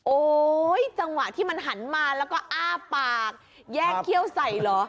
จังหวะที่มันหันมาแล้วก็อ้าปากแยกเขี้ยวใส่เหรอ